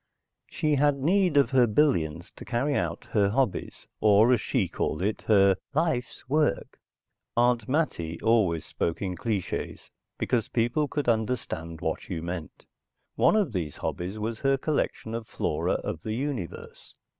She had need of her billions to carry out her hobbies, or, as she called it, her "life's work." Aunt Mattie always spoke in clichés because people could understand what you meant. One of these hobbies was her collection of flora of the universe.